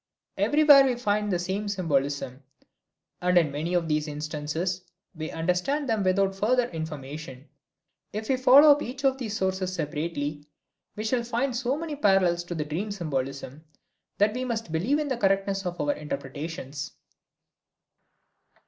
Everywhere we find the same symbolism and in many of these instances we understand them without further information. If we follow up each of these sources separately we shall find so many parallels to the dream symbolism that we must believe in the correctness of our interpretations."